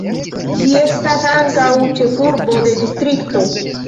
Ĝi estas ankaŭ ĉefurbo de distrikto.